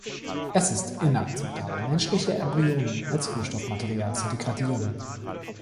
Es ist inakzeptabel, menschliche Embryonen als Rohstoffmaterial zu degradieren.